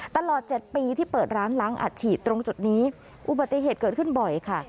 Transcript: ตลอด๗ปีที่เปิดร้านล้างอัดฉีดตรงจุดนี้อุบัติเหตุเกิดขึ้นบ่อยค่ะ